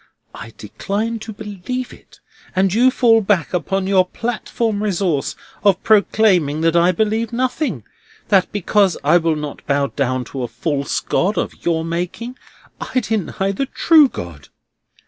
I decline to believe it, and you fall back upon your platform resource of proclaiming that I believe nothing; that because I will not bow down to a false God of your making, I deny the true God!